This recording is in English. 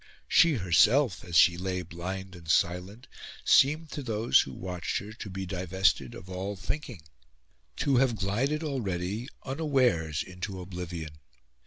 She herself, as she lay blind and silent, seemed to those who watched her to be divested of all thinking to have glided already, unawares, into oblivion.